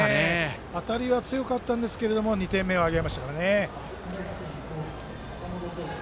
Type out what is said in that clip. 当たりは強かったんですけれども２点目を挙げましたからね。